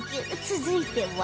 続いては